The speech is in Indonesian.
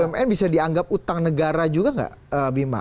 bumn bisa dianggap utang negara juga nggak bima